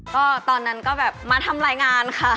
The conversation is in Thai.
ก็ตอนนั้นก็แบบมาทำรายงานค่ะ